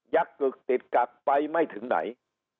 ักกึกติดกักไปไม่ถึงไหน